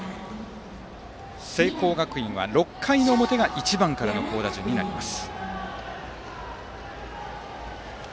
聖光学院は６回の表が１番からの好打順になります。